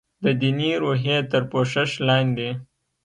د دیني روحیې تر پوښښ لاندې.